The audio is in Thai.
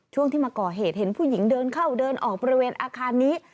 ช่วงที่มาก่อเหตุเห็นผู้หญิงเดินเข้าเดินออกบริเวณอาคารนี้